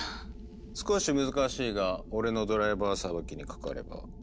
少し難しいが俺のドライバーさばきにかかれば。